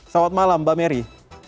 selamat malam mbak meri